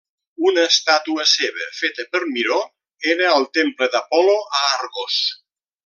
Una estàtua seva, feta per Miró, era al temple d'Apol·lo a Argos.